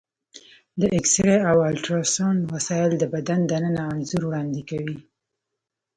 د ایکسرې او الټراساونډ وسایل د بدن دننه انځور وړاندې کوي.